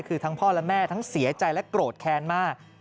คือทั้งพ่อและแม่ทั้งเสียใจและโกรธแค้นมาก